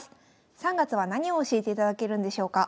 ３月は何を教えていただけるんでしょうか？